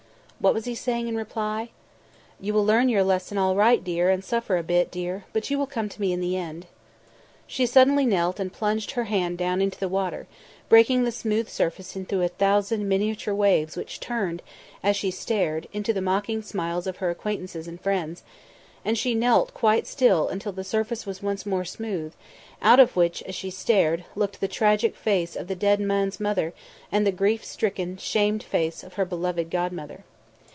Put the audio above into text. ." What was he saying in reply? "... You will learn your lesson all right, dear, and suffer a bit, dear, but you will come to me in the end." She suddenly knelt and plunged her hand down into the water, breaking the smooth surface into a thousand miniature waves which turned, as she stared, into the mocking smiles of her acquaintances and friends; and she knelt quite still until the surface was once more smooth, out of which, as she stared, looked the tragic face of the dead man's mother and the grief stricken, shamed face of her beloved godmother.